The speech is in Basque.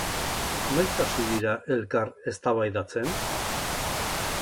Noiz hasi dira elkar eztabaidatzen?